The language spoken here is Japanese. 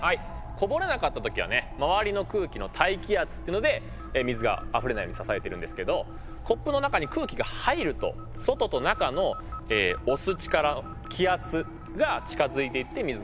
こぼれなかった時はね周りの空気の大気圧っていうので水があふれないように支えてるんですけどコップの中に空気が入ると外と中の押す力気圧が近づいていって水がこぼれてしまうと。